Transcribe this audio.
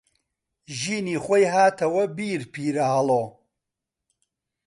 ژینی خۆی هاتەوە بیر پیرەهەڵۆ